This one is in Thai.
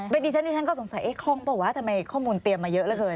บางทีฉันก็สงสัยคล่องเปล่าวะทำไมข้อมูลเตรียมมาเยอะเหลือเกิน